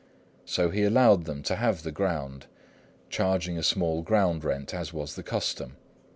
So he allowed them to have the ground, charging a small ground rent as was the custom.